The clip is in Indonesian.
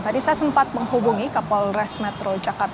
tadi saya sempat menghubungi kapolres metro jakarta